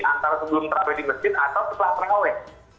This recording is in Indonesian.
antara sebelum terawet di masjid atau setelah terawet